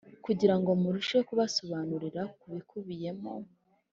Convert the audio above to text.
kugira ngo murusheho kubasobanurira ku biyikubiyemo.